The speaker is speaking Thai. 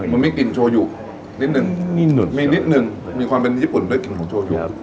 มันมีกลิ่นโชยุนิดนึงมีนิดนึงมีความเป็นญี่ปุ่นด้วยกลิ่นของโชยุ